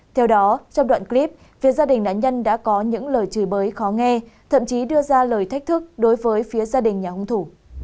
theo đó trong đoạn clip phía gia đình nạn nhân đã có những lời chửi bới khó nghe thậm chí đưa ra lời thách thức đối với phía gia đình nhà hông thủ